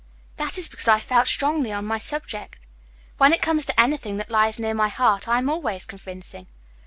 "That is because I felt strongly on my subject. When it comes to anything that lies near my heart I am always convincing.